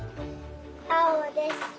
あおです。